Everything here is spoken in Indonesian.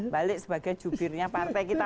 balik sebagai jubirnya partai kita